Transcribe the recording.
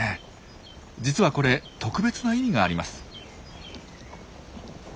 実はこれ特別な意味があります。